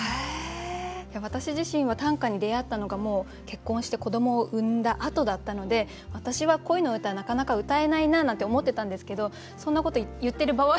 私自身は短歌に出会ったのがもう結婚して子どもを産んだあとだったので私は恋の歌なかなかうたえないななんて思ってたんですけどそんなこと言ってる場合じゃないですよね。